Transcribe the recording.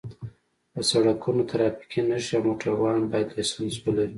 په سرکونو ټرافیکي نښې او موټروان باید لېسنس ولري